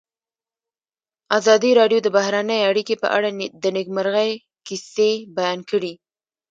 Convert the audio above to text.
ازادي راډیو د بهرنۍ اړیکې په اړه د نېکمرغۍ کیسې بیان کړې.